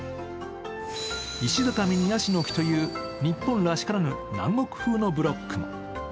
石畳にやしの木という日本らしからぬ南国風のブロックも。